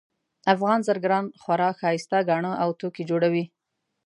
افغان زرګران خورا ښایسته ګاڼه او توکي جوړوي